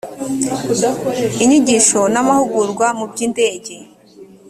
inyigisho n amahugurwa mu by indege